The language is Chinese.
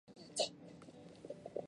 授监察御史。